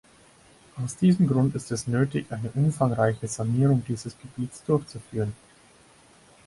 Aus diesem Grund ist es nötig, eine umfangreiche Sanierung dieses Gebietes durchzuführen.